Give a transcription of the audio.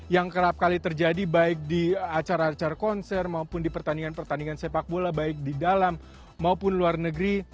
yang kerap kali terjadi baik di acara acara konser maupun di pertandingan pertandingan sepak bola baik di dalam maupun luar negeri